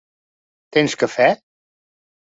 Tens cafè?